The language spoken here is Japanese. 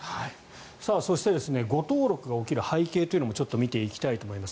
そして誤登録が起きる背景というのもちょっと見ていきたいと思います。